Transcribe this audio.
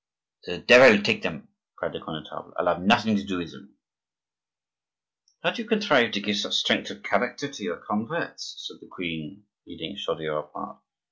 "The devil take them!" cried the Connetable, "I'll have nothing to do with it." "How do you contrive to give such strength of character to your converts?" said the queen, leading Chaudieu apart.